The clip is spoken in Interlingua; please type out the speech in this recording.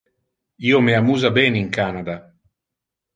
Io me amusa ben in Canada.